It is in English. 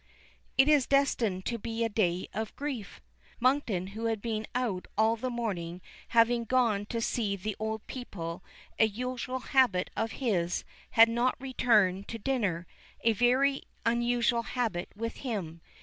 It is destined to be a day of grief! Monkton who had been out all the morning, having gone to see the old people, a usual habit of his, had not returned to dinner a very unusual habit with him.